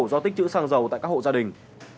do tích chữ xăng dầu tại các hộ gia đình